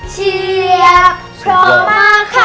เชื่อโทมาค่ะ